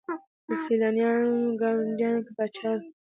په سیالانو ګاونډیانو کي پاچا وو